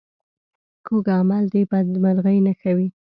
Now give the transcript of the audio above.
کوږ عمل د بدمرغۍ نښه وي